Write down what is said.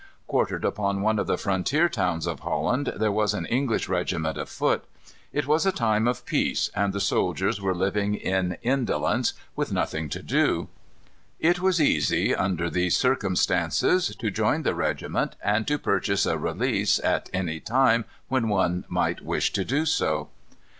Quartered upon one of the frontier towns of Holland there was an English regiment of foot. It was a time of peace, and the soldiers were living in indolence, with nothing to do. It was easy, under these circumstances, to join the regiment, and to purchase a release, at any time when one might wish to do so.